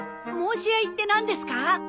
申し合いってなんですか？